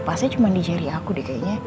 pasnya cuma di jerry aku deh kayaknya